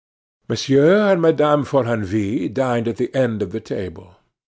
Monsieur and Madame Follenvie dined at the end of the table.